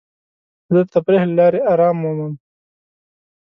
زه د تفریح له لارې ارام مومم.